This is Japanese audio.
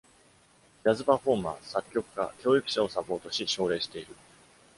ジャズパフォーマー、作曲家、教育者をサポートし、奨励している。